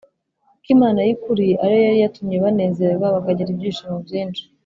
Kuko imana y ukuri ari yo yari yatumye banezerwa bakagira ibyishimo byinshi